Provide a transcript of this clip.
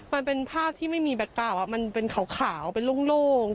มันเป็นภาพที่ไม่มีแบ็คเก่ามันเป็นขาวเป็นโล่ง